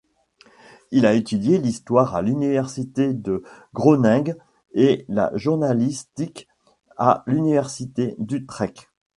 Il a étudié l'histoire à l'Université de Groningue et la journalistique à l'Université d'Utrecht.